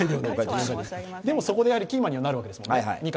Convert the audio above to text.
でもそこでキーマンにはなるわけですもんね。